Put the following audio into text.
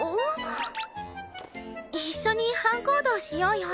一緒に班行動しようよ。